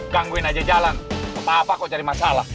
gangguin aja jalan apa apa kok cari masalah